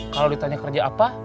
kalau ditanya kerja apa